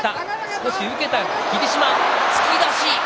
少し受けた霧島、突き出し。